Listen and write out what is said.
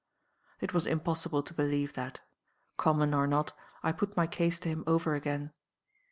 "It was impossible to believe that. Common or not, I put my case to him over again.